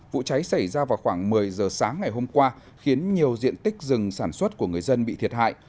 vụ cháy xảy ra vào khoảng một mươi giờ sáng ngày hôm qua khiến nhiều diện tích rừng sản xuất của người dân bị thiệt hại